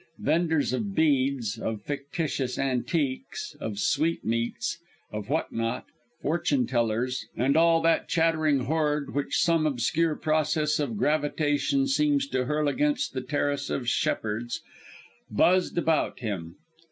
Vendors of beads, of fictitious "antiques," of sweetmeats, of what not; fortune tellers and all that chattering horde which some obscure process of gravitation seems to hurl against the terrace of Shepheard's, buzzed about him.